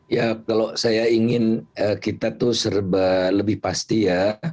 ya kalau saya ingin kita lebih pasti ya